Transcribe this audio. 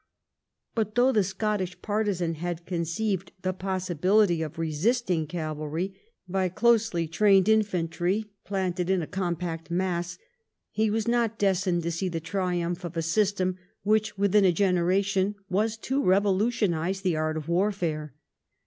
But though the Scottish partisan had conceived the possibility of resisting cavalry by closely 208 EDWARD I chap. trained infantry planted in a compact mass, he was not destined to see the triumph of a system which within a generation was to revokitionise the art of warfare.